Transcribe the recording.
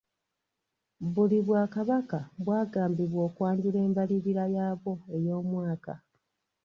Buli bwakabaka bwagambibwa okwanjula embalirira yaabwo ey'omwaka.